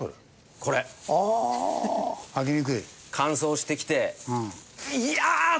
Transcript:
乾燥してきて「いやーっ！」